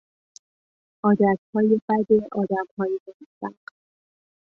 عادتهای بد آدمهای موفق